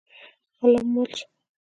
الله مو مل شه؟